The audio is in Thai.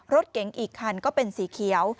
รถเก๋งอีกคันก็เป็นสีเขียว